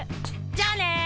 じゃあね！